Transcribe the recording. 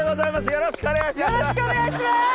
よろしくお願いします！